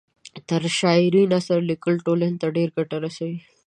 تر شاعرۍ نثر لیکل ټولنۍ ته ډېره ګټه رسوي